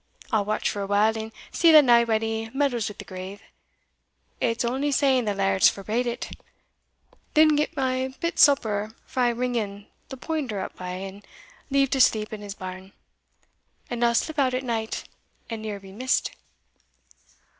I'll watch for a while, and see that naebody meddles wi' the grave it's only saying the laird's forbade it then get my bit supper frae Ringan the poinder up by, and leave to sleep in his barn; and I'll slip out at night, and neer be mist."